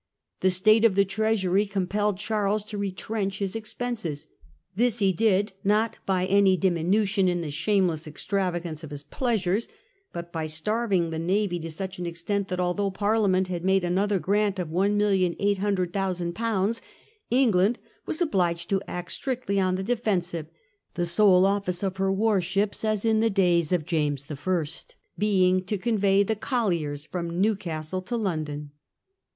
The state of the treasury compelled Charles to retrench his expenses ; this he did, not by any diminution in the shameless extrava gance of his pleasures, but by starving the navy to such an extent that, although Parliament had made another grant of 1,800,000/., England was obliged to act strictly on the defensive, the sole office of her warships, as in the days of James I. (see p. 1 12), being to convoy the colliers from Newcastle to London.